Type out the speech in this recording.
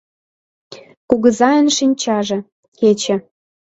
Кугызайын шинчаже — кече.